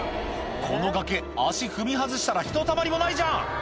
この崖足踏み外したらひとたまりもないじゃん！